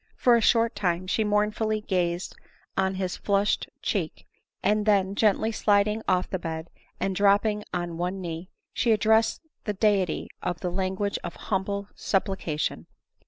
For a short time she mournfully gazed on his flushed cheek, and then, gently sliding off the bed, and dropping on one knee, she addressed the Deity in the language of humble sup plication.